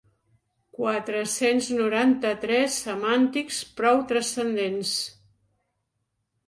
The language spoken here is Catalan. Quatre-cents noranta-tres semàntics prou transcendents.